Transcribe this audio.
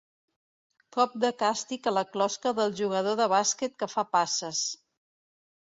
Cop de càstig a la closca del jugador de bàsquet que fa passes.